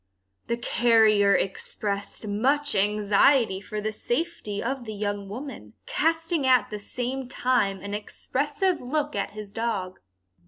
The carrier expressed much anxiety for the safety of the young woman, casting at the same time an expressive look at his dog.